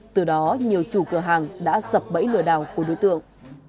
từ đó nhiều chủ cửa hàng đã sập bẫy lừa đảo của đối tượng